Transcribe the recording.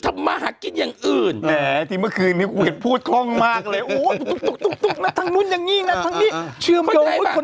ทำมาหากินอย่างอื่นแหมที่เมื่อคืนนี้พูดคล่องมากเลยโอ้โห